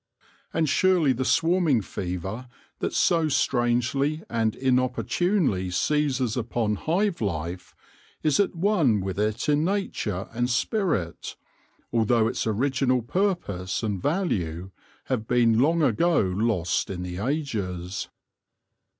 And surely the swarming fever that so strangely and inopportunely seizes upon hive life, is at one with it in nature and spirit, although its original purpose and value have been long ago lost in the ages.